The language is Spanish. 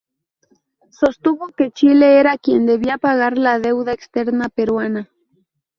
Sostuvo que Chile era quien debía pagar la deuda externa peruana.